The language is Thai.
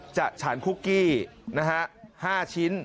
ฉานคุกกี้๕ชิ้น